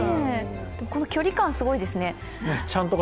距離感、すごいですね。